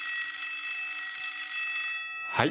はい。